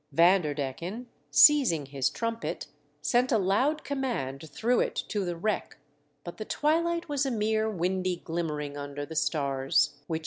Vanderdecken, seizing his trumpet, sent a loud command through it to the wreck ; but the twilight was a mere windy glimmering under the stars, which THE DUTCHMEN OBTAIN REFRESHMENTS.